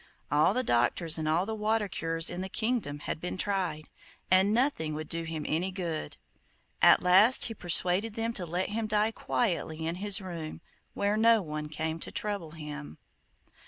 All the doctors and all the water cures in the kingdom had been tried, and nothing would do him any good. At last he persuaded them to let him lie quietly in his room, where no one came to trouble him.